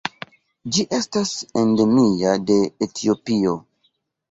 Ĝi estas endemia de Etiopio.